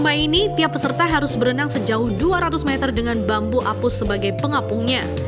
selama ini tiap peserta harus berenang sejauh dua ratus meter dengan bambu apus sebagai pengapungnya